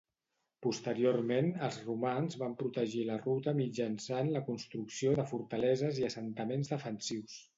Posteriorment els romans van protegir la ruta mitjançant la construcció de fortaleses i assentaments defensius.